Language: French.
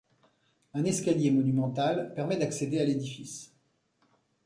Un escalier monumental permet d'accéder à l'édifice.